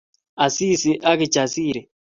Asisi ak Kijasiri